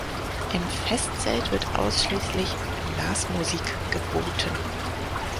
Im Festzelt wird ausschließlich Blasmusik geboten.